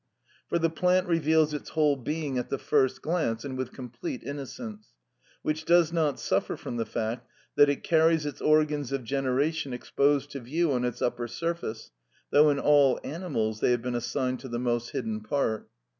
For the plant reveals its whole being at the first glance, and with complete innocence, which does not suffer from the fact that it carries its organs of generation exposed to view on its upper surface, though in all animals they have been assigned to the most hidden part.